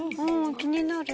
気になる。